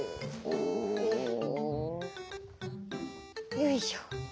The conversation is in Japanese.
よいしょ。